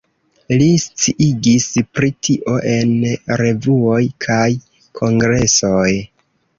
Li sciigis pri tio en revuoj kaj kongresoj.